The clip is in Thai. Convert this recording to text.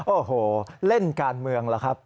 โอ้โหเล่นการเมืองล่ะครับ